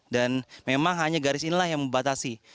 dan memang hanya garis inilah yang membatasi